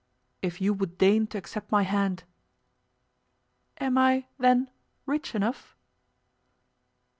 'If you would deign to accept my hand.' 'Am I, then, rich enough?